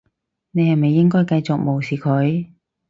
我係咪應該繼續無視佢？